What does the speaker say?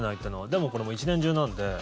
でも、これ１年中なんで。